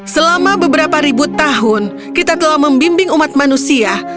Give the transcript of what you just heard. selama beberapa ribu tahun kita telah membimbing umat manusia